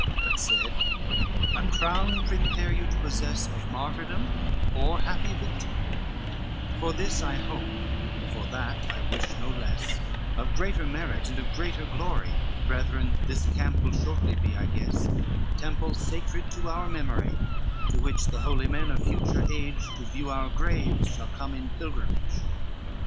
XV "But said, 'A crown prepare you to possess Of martyrdom, or happy victory; For this I hope, for that I wish no less, Of greater merit and of greater glory. Brethren, this camp will shortly be, I guess, A temple, sacred to our memory, To which the holy men of future age, To view our graves shall come in pilgrimage.